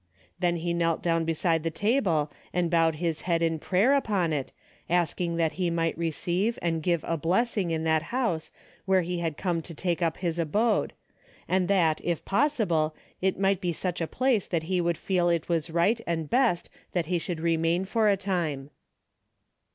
Then he knelt down beside the table and bowed his head in prayer upon it asking that 1G6 A DAILY rate:' he might receive and give a blessing in that house where he had come to take up his abode, and that if possible, it might be such a place that he would feel it was right and best that he should remain for a time.